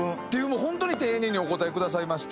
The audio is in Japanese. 本当に丁寧にお答えくださいまして。